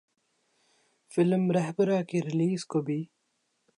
film ’Rahbara‘ کی release کو بھی